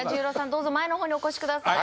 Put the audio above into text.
どうぞ前のほうにお越しください